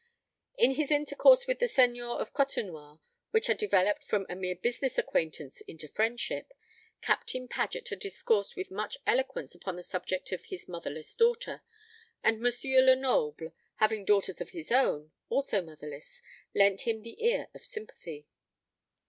In his intercourse with the seigneur of Côtenoir, which had developed from a mere business acquaintance into friendship, Captain Paget had discoursed with much eloquence upon the subject of his motherless daughter; and M. Lenoble, having daughters of his own, also motherless, lent him the ear of sympathy.